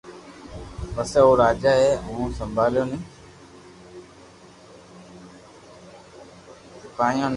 پسي او راجا اي او سپايو ني